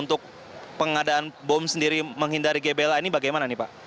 untuk pengadaan bom sendiri menghindari gbla ini bagaimana nih pak